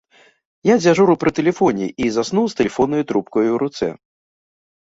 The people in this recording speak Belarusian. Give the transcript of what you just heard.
Я дзяжурыў пры тэлефоне і заснуў з тэлефоннаю трубкаю ў руцэ.